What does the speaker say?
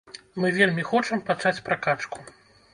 Мы вельмі хочам пачаць пракачку.